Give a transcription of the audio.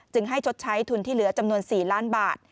ให้ชดใช้ทุนที่เหลือจำนวน๔ล้านบาท